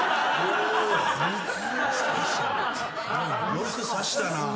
よくさしたなぁ。